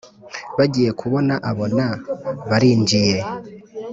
bagiye kubona abona barinjiye